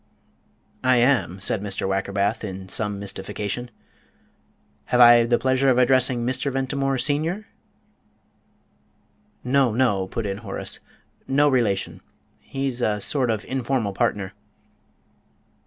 "I am," said Mr. Wackerbath, in some mystification. "Have I the pleasure of addressing Mr. Ventimore, senior?" "No, no," put in Horace; "no relation. He's a sort of informal partner."